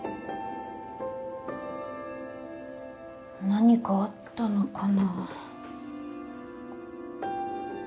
何かあったのかな。